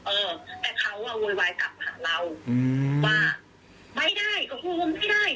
เออแต่เขาอ่ะโวยวายกลับหาเราอืมว่าไม่ได้ก็คุมไม่ได้